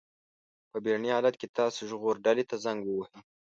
په بېړني حالت کې تاسو ژغورډلې ته زنګ ووهئ.